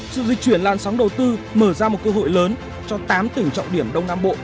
sự dịch chuyển lan sóng đầu tư mở ra một cơ hội lớn cho tám tỉnh trọng điểm đông nam bộ